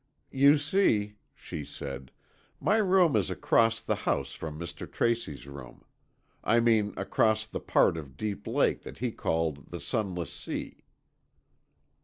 "You see," she said, "my room is across the house from Mr. Tracy's room. I mean across the part of Deep Lake that he called the Sunless Sea."